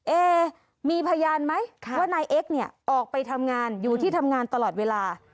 เอมีพยานไหมว่านายเอ็กซ์เนี่ยออกไปทำงานอยู่ที่ทำงานตลอดเวลา